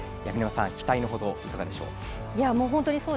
八木沼さん、期待のほどいかがでしょう？